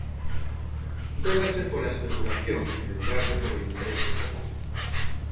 Vélase pola especulación en lugar de polo interese xeral.